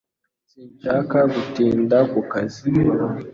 Sinshaka gutinda ku kazi